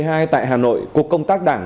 công tác đảng và công tác đảng